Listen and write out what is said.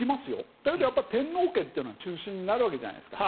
だけど天皇家というのが中心になるわけじゃないですか。